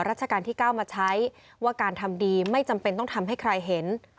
ราชการที่๙มาใช้ว่าการทำดีไม่จำเป็นต้องทำให้ใครเห็น